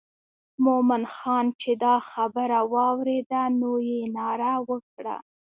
مومن خان چې دا خبره واورېده نو یې ناره وکړه.